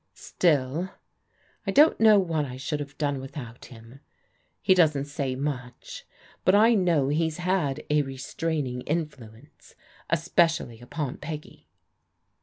Still, I don't know what I should have done without him. He I doesn't say much, but I know he's had a restraining mfluence, especially upon Peggy."